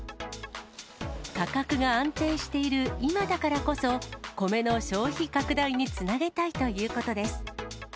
価格が安定している今だからこそ、米の消費拡大につなげたいということです。